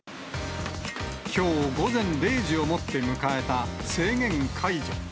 きょう午前０時をもって迎えた制限解除。